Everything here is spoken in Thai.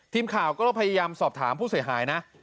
ทีมข่าวก็พยายามสอบถามผู้เสียหายนะ